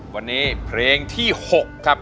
วันนี้เพลงที่๖ครับ